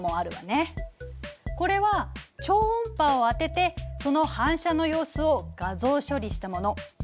これは超音波を当ててその反射の様子を画像処理したもの。